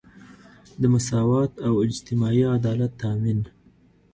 د مساوات او اجتماعي عدالت تامین.